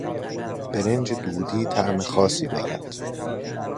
برنج دودی طعم خاصی دارد.